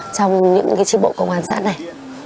trong những cái trí bộ công an xã này